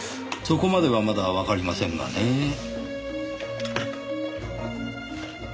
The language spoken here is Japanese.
そこまではまだわかりませんがねぇ。